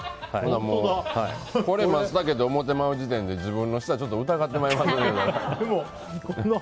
これマツタケって思ってまう時点で自分の舌ちょっと疑ってまいますね。